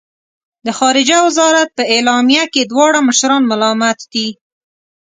د خارجه وزارت په اعلامیه کې دواړه مشران ملامت دي.